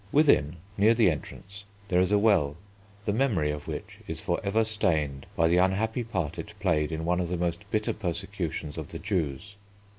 Within, near the entrance, there is a well, the memory of which is for ever stained by the unhappy part it played in one of the most bitter persecutions of the Jews.